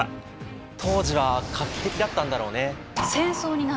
当時は画期的だったんだろうね。